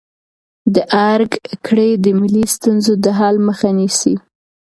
د ارګ کړۍ د ملي ستونزو د حل مخه نیسي.